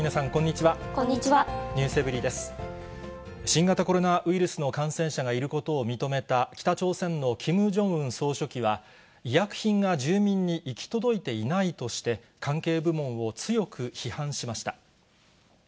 新型コロナウイルスの感染者がいることを認めた、北朝鮮のキム・ジョンウン総書記は、医薬品が住民に行き届いていないとして、関係部門を強く批判しました。